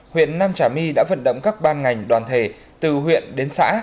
huyện nam trà my đã vận động các ban ngành đoàn thể từ huyện đến xã